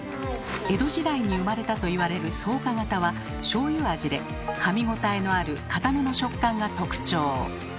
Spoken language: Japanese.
江戸時代に生まれたと言われる草加型はしょうゆ味でかみ応えのあるかための食感が特徴。